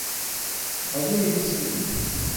Возьми меня силой!